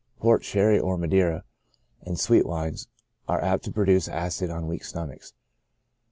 Port, Sherry, or Madeira, and sweet wines, are apt to produce acid on weak stomachs.